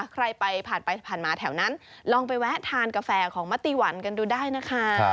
ใครไปผ่านไปผ่านมาแถวนั้นลองไปแวะทานกาแฟของมะตีหวันกันดูได้นะคะ